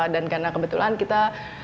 dan karena kebetulan kita